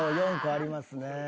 ４個ありますね。